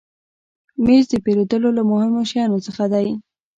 مېز د پیرودلو له مهمو شیانو څخه دی.